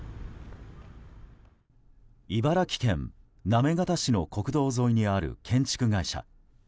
茨城県行方市の国道沿いにある建築会社。